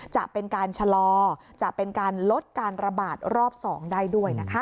จะเป็นการชะลอจะเป็นการลดการระบาดรอบ๒ได้ด้วยนะคะ